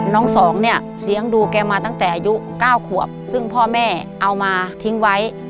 สองเนี่ยเลี้ยงดูแกมาตั้งแต่อายุ๙ขวบซึ่งพ่อแม่เอามาทิ้งไว้